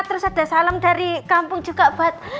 terus ada salam dari kampung juga buat